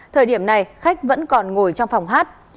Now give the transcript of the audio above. thời điểm này khách vẫn còn ngồi trong phòng hát